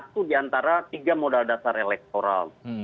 satu di antara tiga modal dasar elektoral